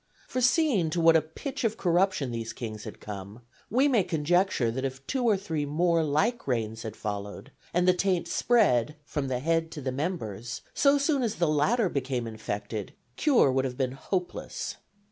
For seeing to what a pitch of corruption these kings had come, we may conjecture that if two or three more like reigns had followed, and the taint spread from the head to the members, so soon as the latter became infected, cure would have been hopeless.